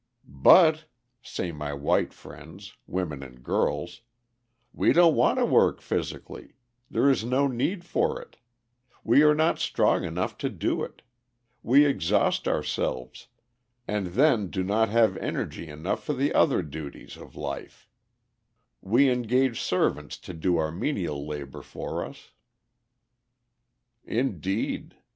"But," say my white friends, women and girls, "we don't want to work physically; there is no need for it; we are not strong enough to do it; we exhaust ourselves, and then do not have energy enough for the other duties of life; we engage servants to do our menial labor for us." [Illustration: COAHUILA BASKET WEAVER WORKING IN THE OPEN AIR.] Indeed!